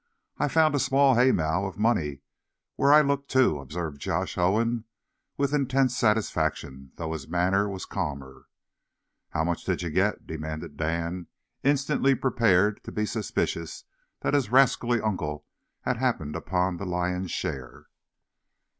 "I found a small hay mow of money where I looked, too," observed Josh Owen, with intense satisfaction, though his manner was calmer. "How much did you get?" demanded Dan, instantly prepared to be suspicious that his rascally uncle had happened upon the lion's share.